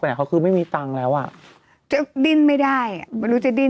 ไม่ออกไปเขาคือไม่มีตังค์แล้วอ่ะดิ้นไม่ได้รู้จะดิ้น